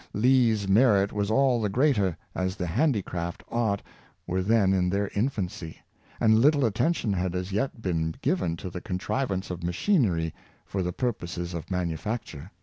Lee's merit was all the greater, as the handicraft arts were then in their infancy, and little attention had as yet been given to the contrivance of machinery for the purposes of manufacture.